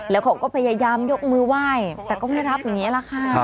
แล้วเขาก็พยายามยกมือไหว้แต่ก็ไม่รับอย่างนี้แหละค่ะ